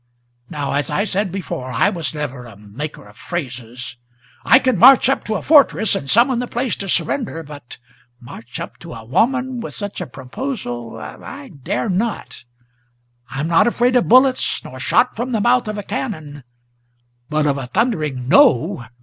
Now, as I said before, I was never a maker of phrases. I can march up to a fortress and summon the place to surrender, But march up to a woman with such a proposal, I dare not. I'm not afraid of bullets, nor shot from the mouth of a cannon, But of a thundering "No!"